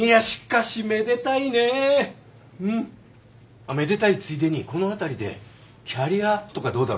あっめでたいついでにこの辺りでキャリアアップとかどうだろ？